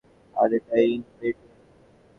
আর এটাই in between?